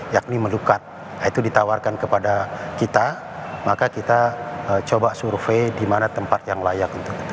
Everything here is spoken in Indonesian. yakni melukat itu ditawarkan kepada kita maka kita coba survei di mana tempat yang layak untuk kita